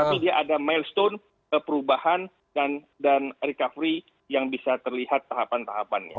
tapi dia ada milestone perubahan dan recovery yang bisa terlihat tahapan tahapannya